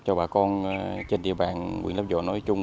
cho bà con trên địa bàn quyền lắp dò nói chung